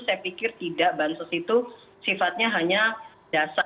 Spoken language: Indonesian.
saya pikir tidak bansos itu sifatnya hanya dasar